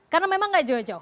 karena memang enggak jauh jauh